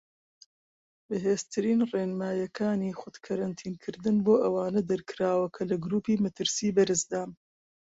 بەهێزترین ڕێنماییەکانی خود کەرەنتین کردن بۆ ئەوانە دەرکراوە کە لە گروپی مەترسی بەرزدان.